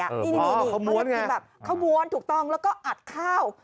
อ๋อเขาม้วนไงเขาม้วนถูกต้องแล้วก็อัดข้าว